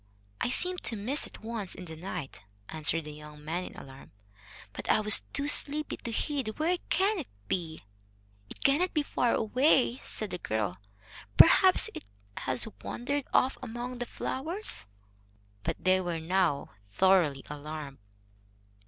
"I seemed to miss it once in the night," answered the young man in alarm, "but I was too sleepy to heed. Where can it be?" "It cannot be far away," said the girl. "Perhaps it has wandered off among the flowers." But they were now thoroughly alarmed.